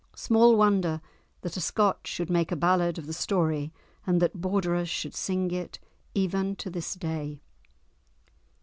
Small wonder that a Scot should make a ballad of the story and that Borderers should sing it even to this day.